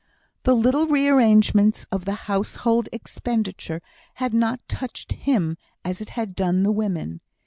The little rearrangements of the household expenditure had not touched him as they had done the women.